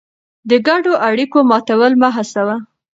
د ګډو اړیکو ماتول مه هڅوه.